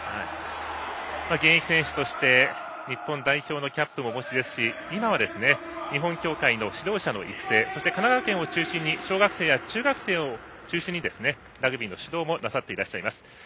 現役選手として日本代表のキャップもお持ちですし今は日本協会の指導者の育成そして神奈川県を中心に小中学生を中心にラグビーの指導もなさっていらっしゃいます。